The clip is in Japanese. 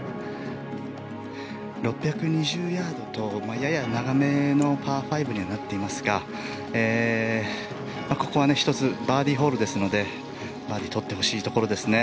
６２０ヤードとやや長めのパー５にはなっていますがここは１つバーディーホールですのでバーディーを取ってほしいところですね。